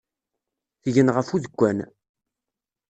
Tgen ɣef udekkan.